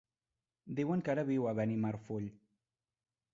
Diuen que ara viu a Benimarfull.